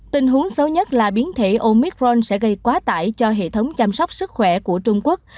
tình huống xấu nhất là biến thể omicron sẽ gây quá tải cho hệ thống chăm sóc sức khỏe của trung quốc